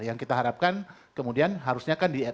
yang kita harapkan kemudian harusnya kan di